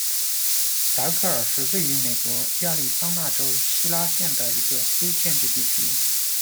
达格尔是位于美国亚利桑那州希拉县的一个非建制地区。